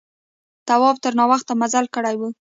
تواب تر ناوخته مزل کړی و.